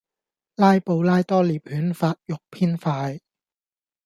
拉布拉多獵犬發育偏快